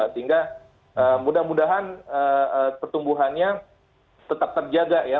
sehingga mudah mudahan pertumbuhannya tetap terjaga ya